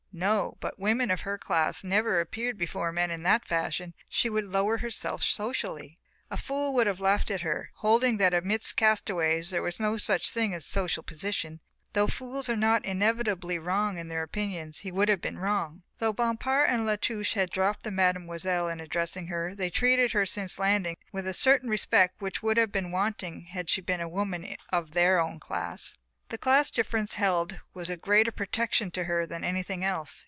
No, but women of her class never appeared before men in that fashion, she would lower herself socially. A fool would have laughed at her, holding that amidst castaways there was no such thing as social position, and, though fools are not inevitably wrong in their opinions, he would have been wrong. Though Bompard and La Touche had dropped the "mademoiselle" in addressing her, they treated her since landing with a certain respect which would have been wanting had she been a woman of their own class. The class difference held and was a greater protection to her than anything else.